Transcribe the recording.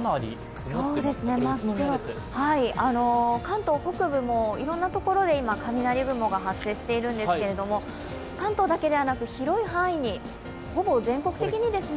関東北部もいろいろなところで雷雲が発生しているんですけど、関東だけではなく広い範囲、ほぼ全国的にですね。